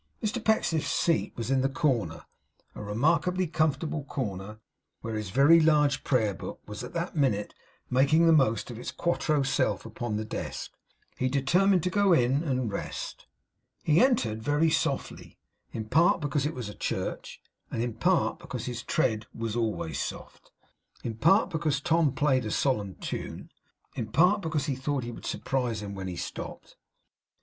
Mr Pecksniff's seat was in the corner; a remarkably comfortable corner; where his very large Prayer Book was at that minute making the most of its quarto self upon the desk. He determined to go in and rest. He entered very softly; in part because it was a church; in part because his tread was always soft; in part because Tom played a solemn tune; in part because he thought he would surprise him when he stopped.